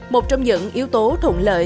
một trong những yếu tố thụn lợi